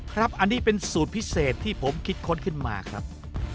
ครับอันนี้เป็นสูตรพิเศษที่ผมคิดค้นขึ้นมาครับ